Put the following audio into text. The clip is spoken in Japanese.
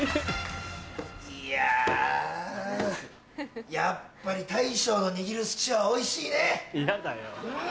・いや・やっぱり大将の握る寿司はおいしいね。うん！